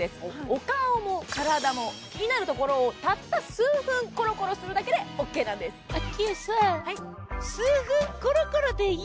お顔も体も気になるところをたった数分コロコロするだけでオーケーなんですまあまあ